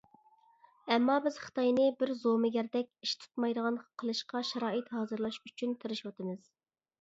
ئەمما بىز خىتاينى بىر زومىگەردەك ئىش تۇتمايدىغان قىلىشقا شارائىت ھازىرلاش ئۈچۈن تىرىشىۋاتىمىز.